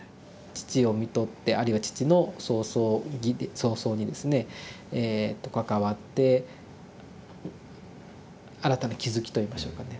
父をみとってあるいは父の葬送儀葬送儀ですね関わって新たな気付きといいましょうかね。